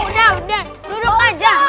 udah udah duduk aja